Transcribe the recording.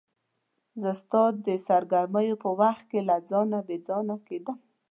زه ستا د سرګرمیو په وخت کې له ځانه بې ځانه کېدم.